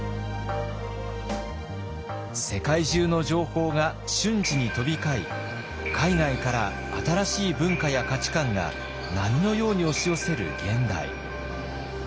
世界中の情報が瞬時に飛び交い海外から新しい文化や価値観が波のように押し寄せる現代。